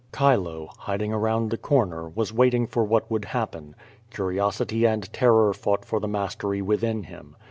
Chilo, hiding around the corner, was waiting for what would happen. Curiosity and terror fought for the mastery within him.